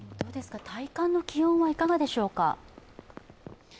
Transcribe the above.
体感の気温はいかがでしょうか？